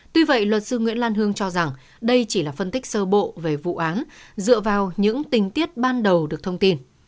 tuy vậy luật sư nguyễn lan hương cho rằng đây chỉ là phân tích sơ bộ về vụ án dựa vào những tình tiết ban đầu được thông tin